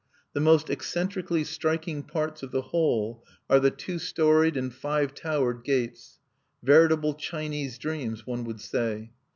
The most eccentrically striking parts of the whole are the two storied and five towered gates, veritable Chinese dreams, one would say.